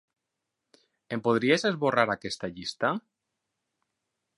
Em podries esborrar aquesta llista?